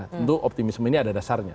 tentu optimisme ini ada dasarnya